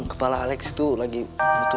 kepala alex itu lagi muter muter